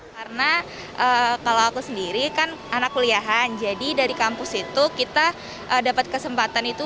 karena kalau aku sendiri kan anak kuliahan jadi dari kampus itu kita dapat kesempatan itu